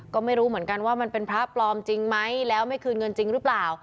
ก็ไม่รู้เหมือนกันว่ามันเป็นพระปลอมจริงไหมแล้วไม่คืนเงินจริงหรือเปล่า